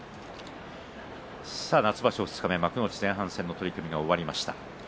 初場所二日目幕内前半戦の取組が終わりました。